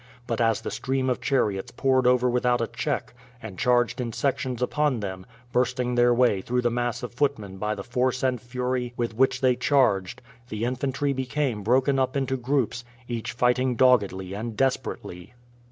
But as the stream of chariots poured over without a check, and charged in sections upon them, bursting their way through the mass of footmen by the force and fury with which they charged, the infantry became broken up into groups, each fighting doggedly and desperately.